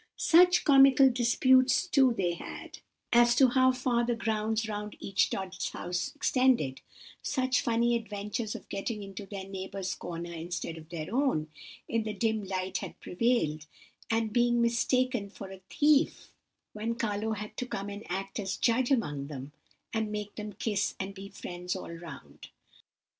"Such comical disputes, too, they had, as to how far the grounds round each Tod's house extended; such funny adventures of getting into their neighbour's corner instead of their own, in the dim light that prevailed, and being mistaken for a thief; when Carlo had to come and act as judge among them, and make them kiss and be friends all round!